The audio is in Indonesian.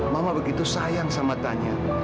mama begitu sayang sama tanya